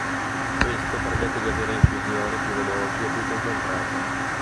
Questo permette di avere infusioni più veloci e più concentrate.